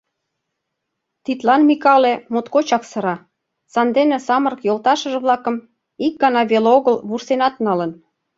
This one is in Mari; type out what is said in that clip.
Тидлан Микале моткочак сыра, сандене самырык йолташыже-влакым ик гана веле огыл вурсенат налын.